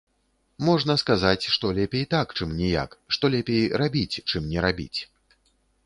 Можна сказаць, што лепей так, чым ніяк, што лепей рабіць, чым не рабіць.